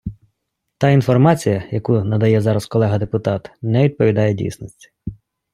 Та інформація, яку надає зараз колега депутат, не відповідає дійсності.